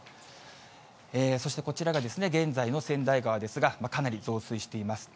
そして、こちらが現在の川内川ですが、かなり増水しています。